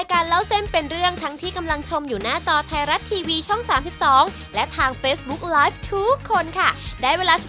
ก็คือเป็นสูตรของเราเลยครับ